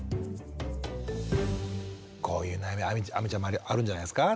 こういう悩み亜美ちゃんもあるんじゃないですか